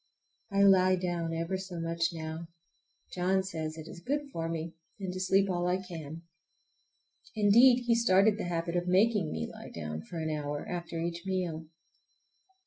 I lie down ever so much now. John says it is good for me, and to sleep all I can. Indeed, he started the habit by making me lie down for an hour after each meal.